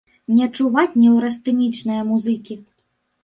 Не чуваць неўрастэнічнае музыкі.